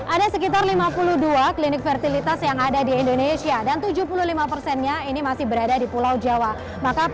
ada sekitar lima puluh dua klinik fertilitas yang ada di indonesia dan tujuh puluh lima persennya ini masih berada di pulau jawa